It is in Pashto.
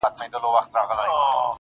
درد زغمي_